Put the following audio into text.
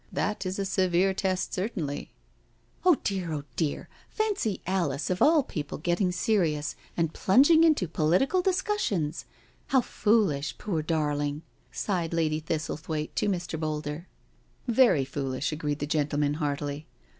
" That is a severe test certainly.*' " Oh dear^ oh dear^ fancy Alice^ of all people, getting serious and plunging into political discussions I How foolish, poor darling I" sighed Lady Thistlethwaite to Mr. Boulder. *' Very foolish/' agreed that gentleman heartily.